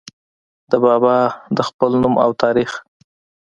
د بابا د خپل نوم او تاريخ